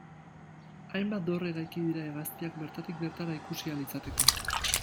Hainbat dorre eraiki dira hegaztiak bertatik bertara ikusi ahal izateko.